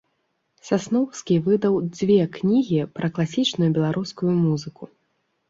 Сасноўскі выдаў дзве кнігі пра класічную беларускую музыку.